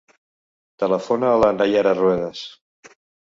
Telefona a la Naiara Ruedas.